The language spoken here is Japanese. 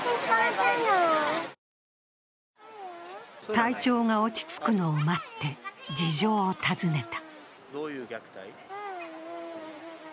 体調が落ち着くのを待って事情を尋ねた。